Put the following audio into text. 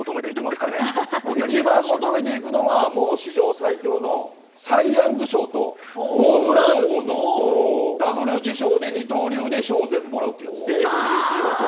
今シーズン、どこの成績一番求めていくのは史上最強のサイ・ヤング賞とホームラン王のダブル受賞で二刀流で全部賞をもらうということです。